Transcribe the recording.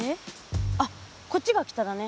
あこっちが北だね。